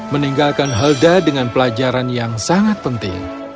meninggalkan helda dengan pelajaran yang sangat penting